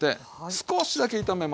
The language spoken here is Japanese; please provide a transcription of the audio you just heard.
少しだけ炒めますね。